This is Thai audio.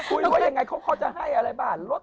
คุยว่าอย่างไรเขาจะให้อะไรบ้าง